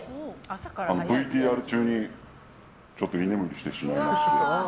ＶＴＲ中に居眠りしてしまいまして。